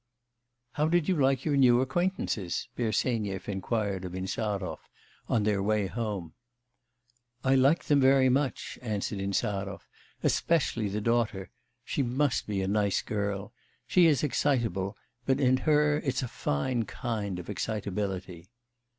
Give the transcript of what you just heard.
'How did you like your new acquaintances?' Bersenyev inquired of Insarov on their way home. 'I liked them very much,' answered Insarov, 'especially the daughter. She must be a nice girl. She is excitable, but in her it's a fine kind of excitability.